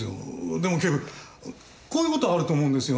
でも警部こういう事はあると思うんですよね。